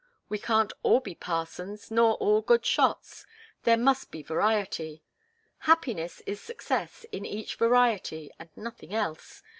We can't all be parsons, nor all good shots. There must be variety. Happiness is success, in each variety, and nothing else.